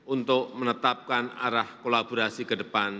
untuk menetapkan arah kolaborasi ke depan